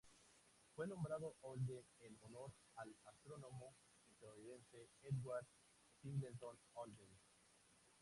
Fue nombrado Holden en honor al astrónomo estadounidense Edward Singleton Holden.